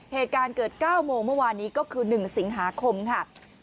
เหตุการณ์เกิด๙โมงเมื่อวานนี้ก็คือ๑สิงหาคมค่ะ